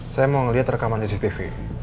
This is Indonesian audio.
saya mau lihat rekaman cctv